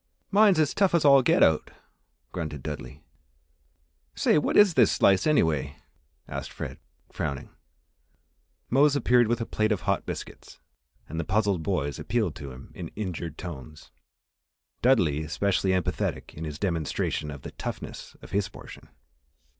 "Mine's as tough as all get out!" grunted Dudley. "Say, what is this slice, anyway?" asked Fred, frowning. Mose appeared with a plate of hot biscuits and the puzzled boys appealed to him in injured tones; Dudley especially emphatic in his demonstration of the toughness of his portion.